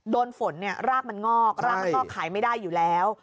โดนฝนเนี่ยรากมันงอกรากมันก็ขายไม่ได้อยู่แล้ว